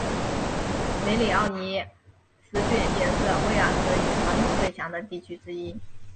梅里奥尼斯郡也是威尔斯语传统最强的地区之一。